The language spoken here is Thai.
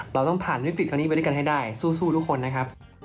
เราต้องผ่านวิกฤตครั้งนี้ไปด้วยกันให้ได้สู้ทุกคนนะครับ